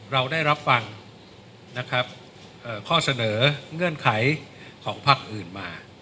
เราได้รับฟังนะครับข้อเสนอเงื่อนไขของพักอื่นมา